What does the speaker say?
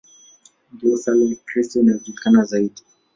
Ndiyo sala ya Kikristo inayojulikana zaidi.